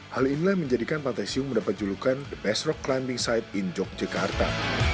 hal inilah menjadikan pantai siung mendapat julukan the best rock climbing site in yogyakarta